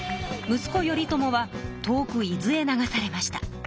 息子頼朝は遠く伊豆へ流されました。